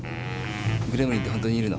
「グレムリン」ってほんとにいるの？